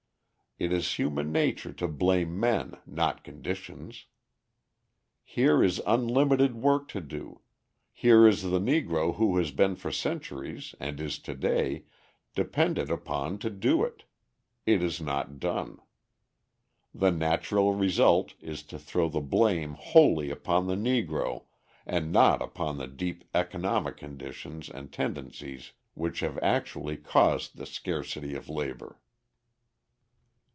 It is human nature to blame men, not conditions. Here is unlimited work to do: here is the Negro who has been for centuries and is to day depended upon to do it; it is not done. The natural result is to throw the blame wholly upon the Negro, and not upon the deep economic conditions and tendencies which have actually caused the scarcity of labour.